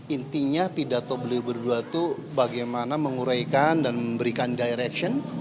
intinya pidato beliau berdua itu bagaimana menguraikan dan memberikan direction